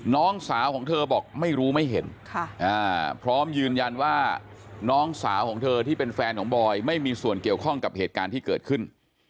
น้องสาวของเธอบอกไม่รู้ไม่เห็นพร้อมยืนยันว่าน้องสาวของเธอที่เป็นแฟนของบอยไม่มีส่วนเกี่ยวข้องกับเหตุการณ์ที่เกิดขึ้น